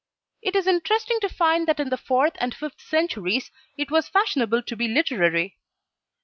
It is interesting to find that in the fourth and fifth centuries it was fashionable to be literary.